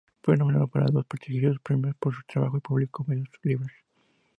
Fue nominado para dos prestigiosos premios por su trabajo, y publicó varios libros.